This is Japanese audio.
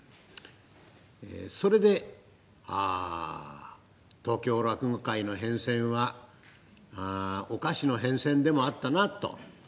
それで「ああ東京落語会の変遷はお菓子の変遷でもあったな」と。